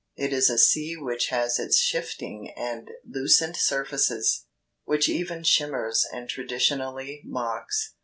It is a sea which has its shifting and lucent surfaces, which even shimmers and traditionally mocks.